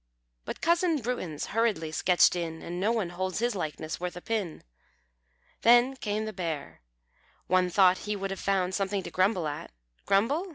But cousin Bruins hurriedly sketched in, And no one holds his likeness worth a pin." Then came the Bear. One thought he would have found Something to grumble at. Grumble!